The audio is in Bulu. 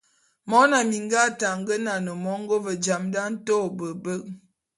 Mone minga ate a ngenan mongô, ve jam da a nto ôbe’ebek.